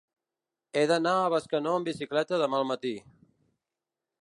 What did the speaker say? He d'anar a Bescanó amb bicicleta demà al matí.